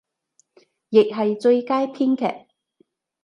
亦係最佳編劇